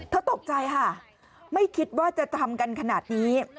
ตกใจค่ะไม่คิดว่าจะทำกันขนาดนี้